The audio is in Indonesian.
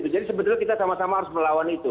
jadi sebetulnya kita sama sama harus melawan itu